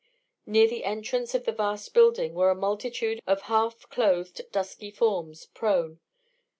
Near the entrance of the vast building were a multitude of half clothed dusky forms, prone.